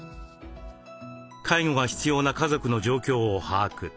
介護が必要な家族の状況を把握。